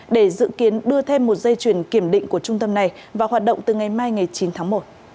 để dự kiến đưa thêm một dây chuyển kiểm định của trung tâm này vào hoạt động từ ngày mai ngày chín tháng một